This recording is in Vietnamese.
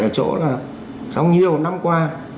ở chỗ là trong nhiều năm qua